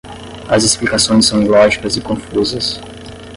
As explicações são ilógicas e confusas.